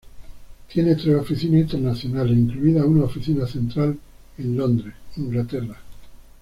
Tiene tres oficinas internacionales, incluida una oficina central en Londres, Inglaterra.